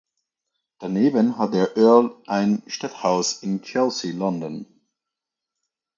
Daneben hat der Earl ein Stadthaus in Chelsea, London.